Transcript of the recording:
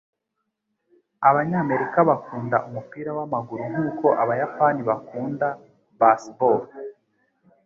Abanyamerika bakunda umupira wamaguru nkuko abayapani bakunda baseball.